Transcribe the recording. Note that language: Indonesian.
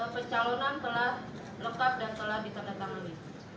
pencalonan telah lengkap dan telah ditandatangani